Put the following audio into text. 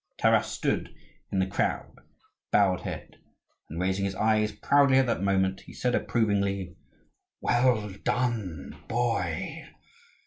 Taras stood in the crowd with bowed head; and, raising his eyes proudly at that moment, he said, approvingly, "Well done, boy!